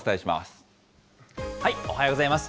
おはようございます。